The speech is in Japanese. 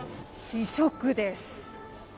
試食です。